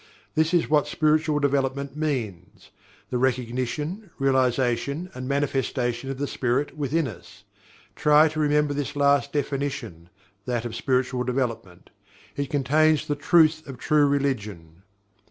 This is what spiritual development means the recognition, realization, and manifestation of the Spirit within us. Try to remember this last definition that of spiritual development. It contains the Truth of True Religion.